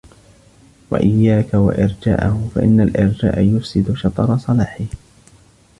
وَإِيَّاكَ وَإِرْجَاءَهُ فَإِنَّ الْإِرْجَاءَ يُفْسِدُ شَطْرَ صَلَاحِهِ